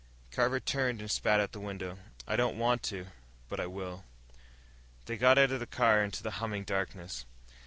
Carver turned and spat out the window. "I don't want to, but I will." They got out of the car, into the humming darkness.